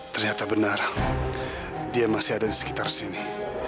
ternyata benar dia masih ada di sekitar sini